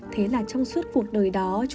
thế là trong suốt cuộc đời đó